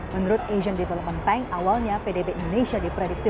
menurut asian development bank awalnya pdb indonesia diprediksi